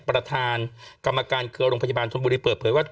ประธานกรรมการเครือโรงพยาบาลชนบุรีเปิดเผยว่า